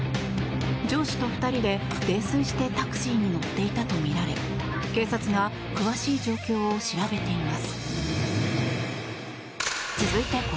上司と２人で泥酔してタクシーに乗っていたとみられ警察が詳しい状況を調べています。